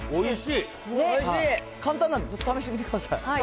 簡単なんで、試してみてください。